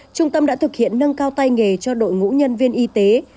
trung tâm đã thực hiện nâng cao tay nghề cho đội ngũ nhân viên y tế